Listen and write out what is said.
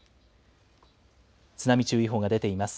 津波注意報が出ています。